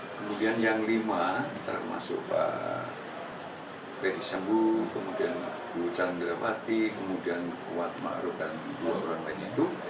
kemudian yang lima termasuk pak ferdi sambo kemudian putri chandrawati kemudian kuat maruf dan dua orang lainnya itu